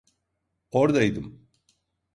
Ordaydım.